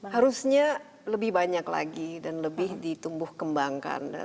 harusnya lebih banyak lagi dan lebih ditumbuh kembangkan